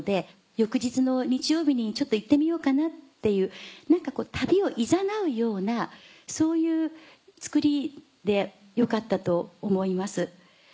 翌日の日曜日にちょっと行ってみようかなっていう何か旅をいざなうようなそういう作りでよかったと思います。